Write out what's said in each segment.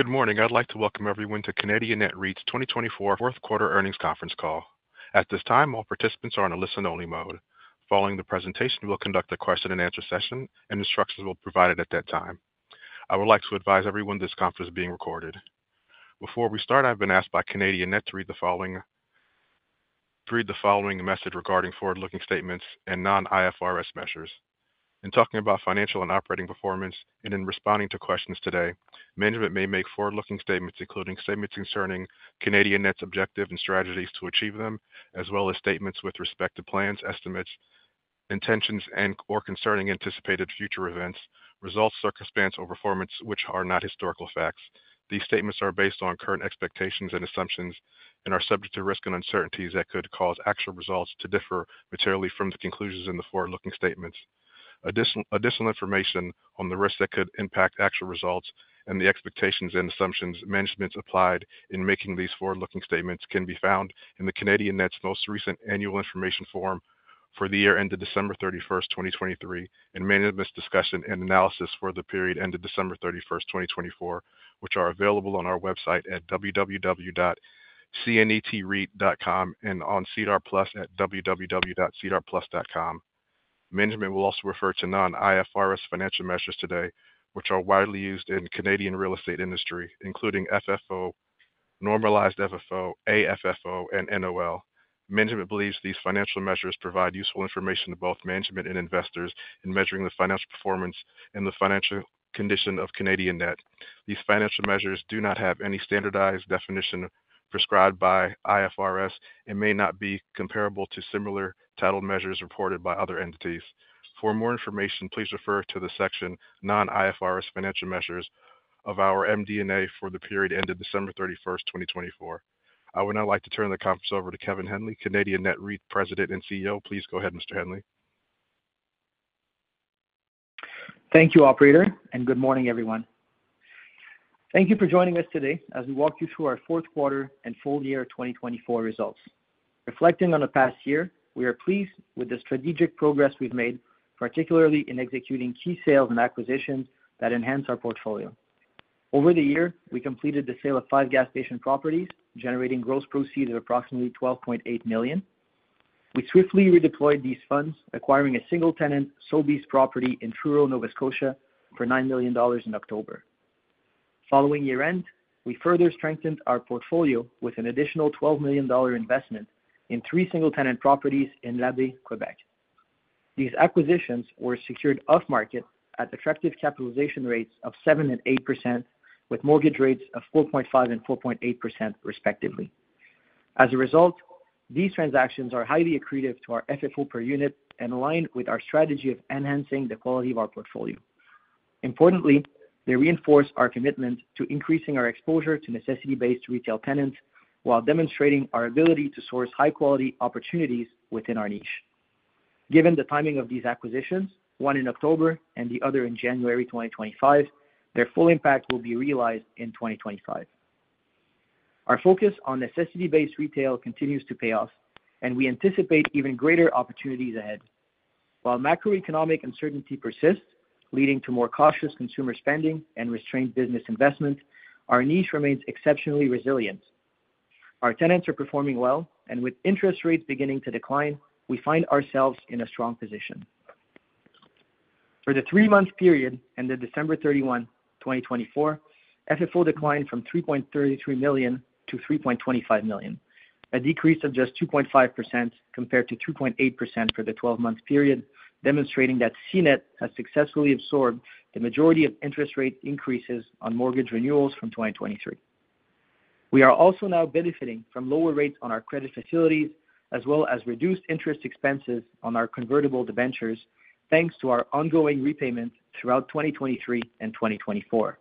Good morning. I'd like to welcome everyone to Canadian Net REIT 2024 fourth quarter earnings conference call. At this time, all participants are in a listen-only mode. Following the presentation, we'll conduct a question-and-answer session, and instructions will be provided at that time. I would like to advise everyone this conference is being recorded. Before we start, I've been asked by Canadian Net REIT to read the following message regarding forward-looking statements and non-IFRS measures. In talking about financial and operating performance and in responding to questions today, management may make forward-looking statements including statements concerning Canadian Net's objectives and strategies to achieve them, as well as statements with respect to plans, estimates, intentions, and/or concerning anticipated future events, results, circumstances, or performance which are not historical facts. These statements are based on current expectations and assumptions and are subject to risks and uncertainties that could cause actual results to differ materially from the conclusions in the forward-looking statements. Additional information on the risks that could impact actual results and the expectations and assumptions management applied in making these forward-looking statements can be found in Canadian Net's most recent Annual Information Form for the year ended December 31st, 2023, and Management's Discussion and Analysis for the period ended December 31st, 2024, which are available on our website at www.cnetreit.com and on SEDAR+ at www.sedarplus.com. Management will also refer to non-IFRS financial measures today, which are widely used in the Canadian real estate industry, including FFO, normalized FFO, AFFO, and NOI. Management believes these financial measures provide useful information to both management and investors in measuring the financial performance and the financial condition of Canadian Net. These financial measures do not have any standardized definition prescribed by IFRS and may not be comparable to similar title measures reported by other entities. For more information, please refer to the section Non-IFRS Financial Measures of our MD&A for the period ended December 31st, 2024. I would now like to turn the conference over to Kevin Henley, Canadian Net REIT President and CEO. Please go ahead, Mr. Henley. Thank you, Operator, and good morning, everyone. Thank you for joining us today as we walk you through our fourth quarter and full year 2024 results. Reflecting on the past year, we are pleased with the strategic progress we've made, particularly in executing key sales and acquisitions that enhance our portfolio. Over the year, we completed the sale of five gas station properties, generating gross proceeds of approximately 12.8 million. We swiftly redeployed these funds, acquiring a single-tenant Sobeys property in Truro, Nova Scotia, for 9 million dollars in October. Following year-end, we further strengthened our portfolio with an additional 12 million dollar investment in three single-tenant properties in Lévis, Quebec. These acquisitions were secured off-market at attractive capitalization rates of 7% and 8%, with mortgage rates of 4.5% and 4.8%, respectively. As a result, these transactions are highly accretive to our FFO per unit and align with our strategy of enhancing the quality of our portfolio. Importantly, they reinforce our commitment to increasing our exposure to necessity-based retail tenants while demonstrating our ability to source high-quality opportunities within our niche. Given the timing of these acquisitions, one in October and the other in January 2025, their full impact will be realized in 2025. Our focus on necessity-based retail continues to pay off, and we anticipate even greater opportunities ahead. While macroeconomic uncertainty persists, leading to more cautious consumer spending and restrained business investment, our niche remains exceptionally resilient. Our tenants are performing well, and with interest rates beginning to decline, we find ourselves in a strong position. For the three-month period ended December 31, 2024, FFO declined from 3.33 million-3.25 million, a decrease of just 2.5% compared to 2.8% for the 12-month period, demonstrating that CNET has successfully absorbed the majority of interest rate increases on mortgage renewals from 2023. We are also now benefiting from lower rates on our credit facilities, as well as reduced interest expenses on our convertible debentures, thanks to our ongoing repayment throughout 2023 and 2024.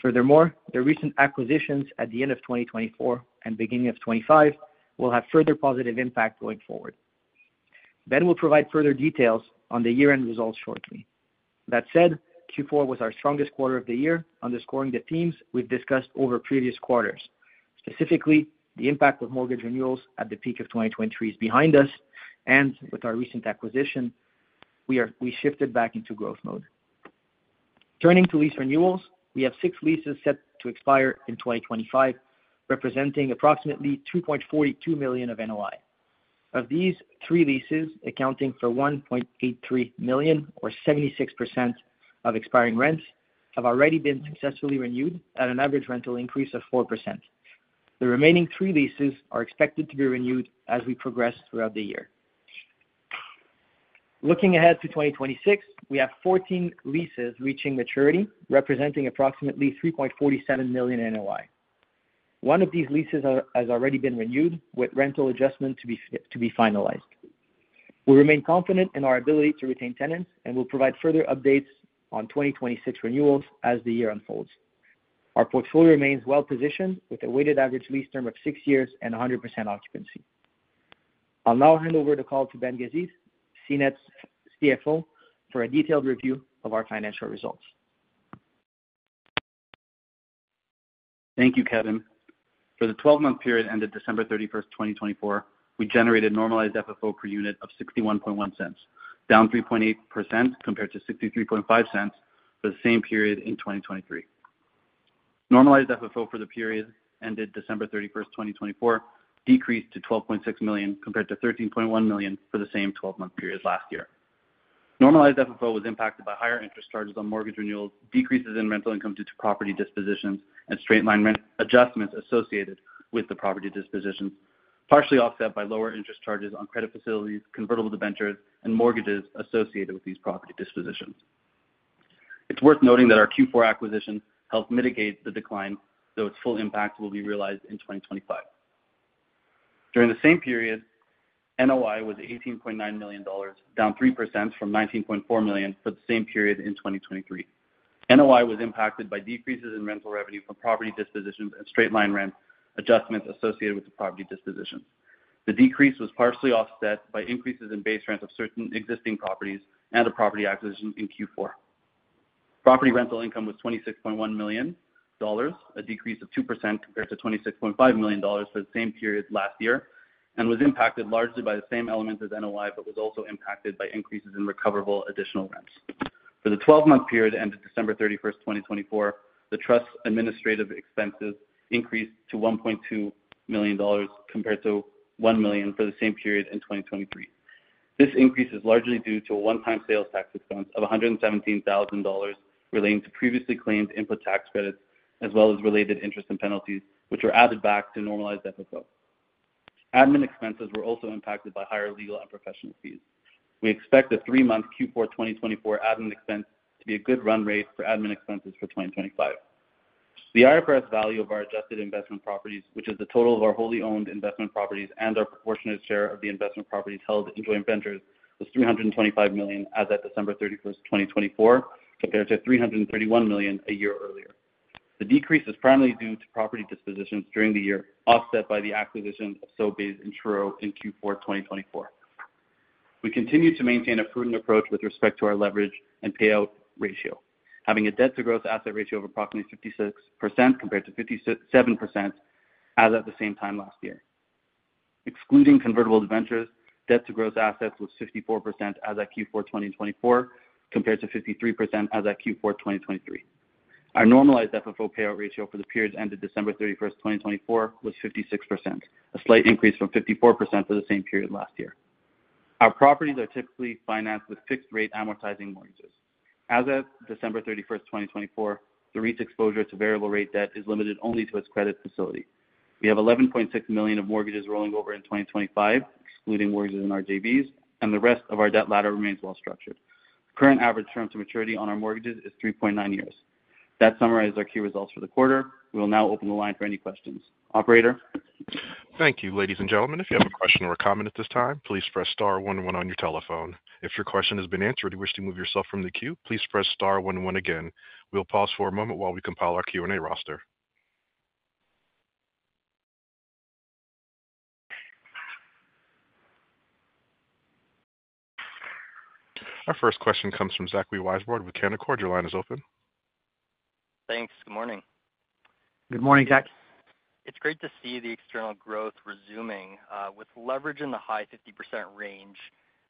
Furthermore, the recent acquisitions at the end of 2024 and beginning of 2025 will have further positive impact going forward. Ben will provide further details on the year-end results shortly. That said, Q4 was our strongest quarter of the year, underscoring the themes we've discussed over previous quarters. Specifically, the impact of mortgage renewals at the peak of 2023 is behind us, and with our recent acquisition, we shifted back into growth mode. Turning to lease renewals, we have six leases set to expire in 2025, representing approximately 2.42 million of NOI. Of these, three leases, accounting for 1.83 million, or 76% of expiring rents, have already been successfully renewed at an average rental increase of 4%. The remaining three leases are expected to be renewed as we progress throughout the year. Looking ahead to 2026, we have 14 leases reaching maturity, representing approximately 3.47 million NOI. One of these leases has already been renewed, with rental adjustment to be finalized. We remain confident in our ability to retain tenants, and we'll provide further updates on 2026 renewals as the year unfolds. Our portfolio remains well-positioned, with a weighted average lease term of six years and 100% occupancy. I'll now hand over the call to Ben Gazith, CNET's CFO, for a detailed review of our financial results. Thank you, Kevin. For the 12-month period ended December 31, 2024, we generated normalized FFO per unit of 0.61, down 3.8% compared to 0.63 for the same period in 2023. Normalized FFO for the period ended December 31, 2024, decreased to 12.6 million compared to 13.1 million for the same 12-month period last year. Normalized FFO was impacted by higher interest charges on mortgage renewals, decreases in rental income due to property dispositions, and straight-line rent adjustments associated with the property dispositions, partially offset by lower interest charges on credit facilities, convertible debentures, and mortgages associated with these property dispositions. It's worth noting that our Q4 acquisition helped mitigate the decline, though its full impact will be realized in 2025. During the same period, NOI was 18.9 million dollars, down 3% from 19.4 million for the same period in 2023. NOI was impacted by decreases in rental revenue from property dispositions and straight-line rent adjustments associated with the property dispositions. The decrease was partially offset by increases in base rents of certain existing properties and a property acquisition in Q4. Property rental income was 26.1 million dollars, a decrease of 2% compared to 26.5 million dollars for the same period last year, and was impacted largely by the same elements as NOI, but was also impacted by increases in recoverable additional rents. For the 12-month period ended December 31, 2024, the trust's administrative expenses increased to 1.2 million dollars compared to 1 million for the same period in 2023. This increase is largely due to a one-time sales tax expense of 117,000 dollars relating to previously claimed input tax credits, as well as related interest and penalties, which were added back to normalized FFO. Admin expenses were also impacted by higher legal and professional fees. We expect the three-month Q4 2024 admin expense to be a good run rate for admin expenses for 2025. The IFRS value of our adjusted investment properties, which is the total of our wholly owned investment properties and our proportionate share of the investment properties held in joint ventures, was 325 million as at December 31st, 2024, compared to 331 million a year earlier. The decrease is primarily due to property dispositions during the year, offset by the acquisition of Sobeys in Truro in Q4 2024. We continue to maintain a prudent approach with respect to our leverage and payout ratio, having a debt-to-gross asset ratio of approximately 56% compared to 57% as at the same time last year. Excluding convertible debentures, debt-to-gross assets was 54% as at Q4 2024, compared to 53% as at Q4 2023. Our normalized FFO payout ratio for the period ended December 31st, 2024, was 56%, a slight increase from 54% for the same period last year. Our properties are typically financed with fixed-rate amortizing mortgages. As of December 31st, 2024, the REIT exposure to variable-rate debt is limited only to its credit facility. We have 11.6 million of mortgages rolling over in 2025, excluding mortgages in our JVs, and the rest of our debt ladder remains well-structured. Current average term to maturity on our mortgages is 3.9 years. That summarizes our key results for the quarter. We will now open the line for any questions. Operator. Thank you, ladies and gentlemen. If you have a question or a comment at this time, please press star 11 on your telephone. If your question has been answered and you wish to move yourself from the queue, please press star one one again. We'll pause for a moment while we compile our Q&A roster. Our first question comes from Zachary Weisbrod of with Canaccord. Your line is open. Thanks. Good morning. Good morning, Zach. It's great to see the external growth resuming. With leverage in the high 50% range,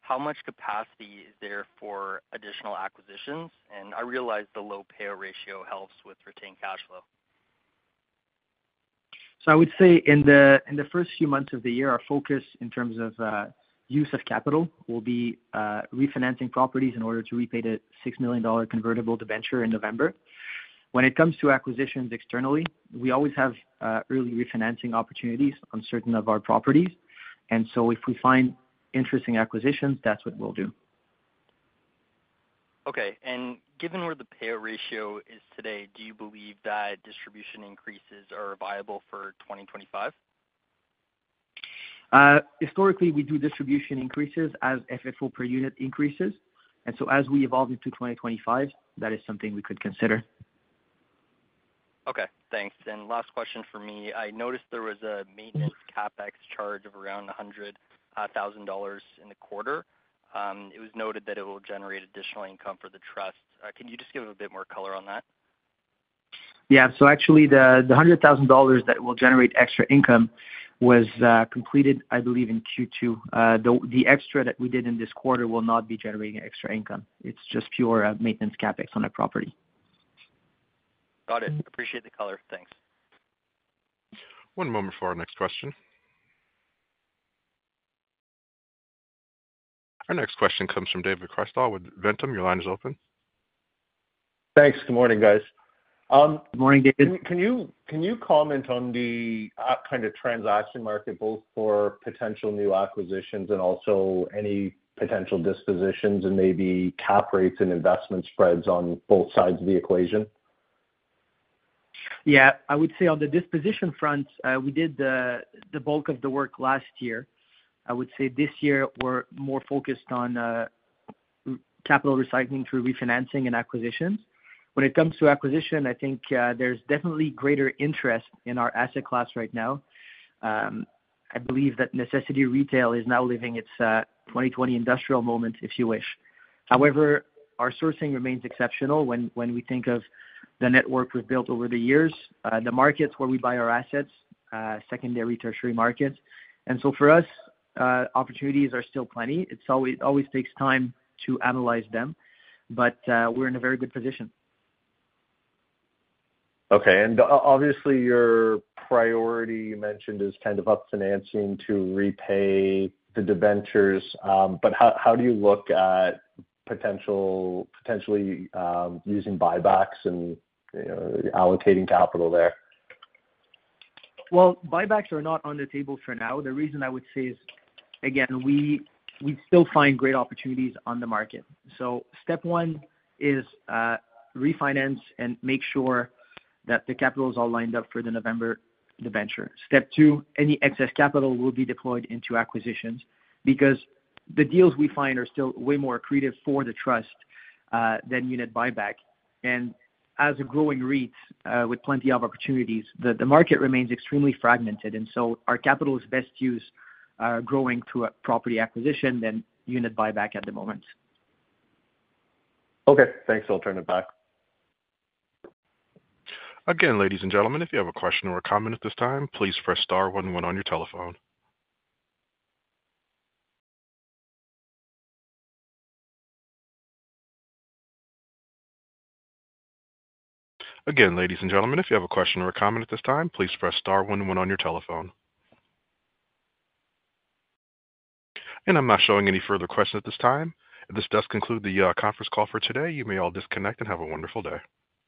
how much capacity is there for additional acquisitions? I realize the low payout ratio helps with retained cash flow. I would say in the first few months of the year, our focus in terms of use of capital will be refinancing properties in order to repay the 6 million dollar convertible debenture in November. When it comes to acquisitions externally, we always have early refinancing opportunities on certain of our properties. If we find interesting acquisitions, that's what we'll do. Okay. Given where the payout ratio is today, do you believe that distribution increases are viable for 2025? Historically, we do distribution increases as FFO per unit increases. As we evolve into 2025, that is something we could consider. Okay. Thanks. Last question for me. I noticed there was a maintenance CapEx charge of around 100,000 dollars in the quarter. It was noted that it will generate additional income for the trust. Can you just give a bit more color on that? Yeah. Actually, the 100,000 dollars that will generate extra income was completed, I believe, in Q2. The extra that we did in this quarter will not be generating extra income. It's just pure maintenance CapEx on a property. Got it. Appreciate the color. Thanks. One moment for our next question. Our next question comes from David Chrystal from Ventum Thanks. Good morning, guys. Good morning, David. Can you comment on the kind of transaction market, both for potential new acquisitions and also any potential dispositions and maybe cap rates and investment spreads on both sides of the equation? Yeah. I would say on the disposition front, we did the bulk of the work last year. I would say this year we're more focused on capital recycling through refinancing and acquisitions. When it comes to acquisition, I think there's definitely greater interest in our asset class right now. I believe that necessity retail is now living its 2020 industrial moment, if you wish. However, our sourcing remains exceptional when we think of the network we've built over the years, the markets where we buy our assets, secondary tertiary markets. And so for us, opportunities are still plenty. It always takes time to analyze them, but we're in a very good position. Okay. Obviously, your priority you mentioned is kind of up financing to repay the debentures. How do you look at potentially using buybacks and allocating capital there? Buybacks are not on the table for now. The reason I would say is, again, we still find great opportunities on the market. Step one is refinance and make sure that the capital is all lined up for the November debenture. Step two, any excess capital will be deployed into acquisitions because the deals we find are still way more accretive for the trust than unit buyback. As a growing REIT with plenty of opportunities, the market remains extremely fragmented. Our capital is best used growing through a property acquisition than unit buyback at the moment. Okay. Thanks. I'll turn it back. Again, ladies and gentlemen, if you have a question or a comment at this time, please press star 11 on your telephone. Again, ladies and gentlemen, if you have a question or a comment at this time, please press star one one on your telephone. I'm not showing any further questions at this time. This does conclude the conference call for today. You may all disconnect and have a wonderful day.